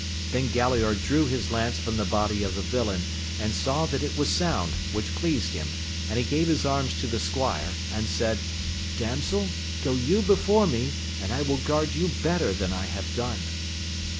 Then Galaor drew his lance from the body of the villain, and saw that it was sound, which pleased him ; and he gave his arms to the squire, and said, Damsel, go you before me, and I will guard you better than I have done.